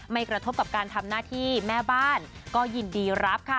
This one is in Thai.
กระทบกับการทำหน้าที่แม่บ้านก็ยินดีรับค่ะ